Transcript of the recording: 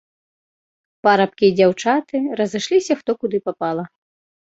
Парабкі і дзяўчаты разышліся, хто куды папала.